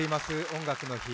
「音楽の日」。